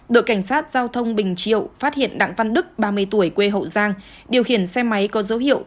đội cảnh sát giao thông bình triệu phát hiện đặng văn đức ba mươi tuổi quê hậu giang điều khiển xe máy có dấu hiệu